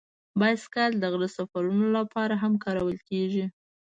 بایسکل د غره سفرونو لپاره هم کارول کېږي.